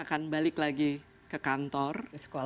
akan balik lagi ke kantor